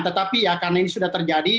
tetapi ya karena ini sudah terjadi